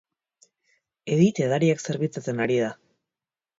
Edith edariak zerbitzatzen ari zen